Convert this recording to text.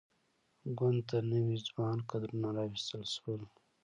ګوند ته نوي ځوان کدرونه راوستل شول.